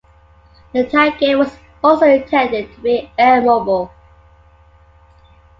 The tankette was also intended to be air-mobile.